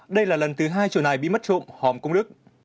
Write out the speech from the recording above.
đây là lần thứ hai chủ này bị mất trộm hòm công đức